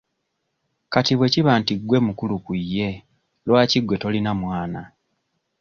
Kati bwe kiba nti gwe mukulu ku ye, lwaki gwe tolina mwana?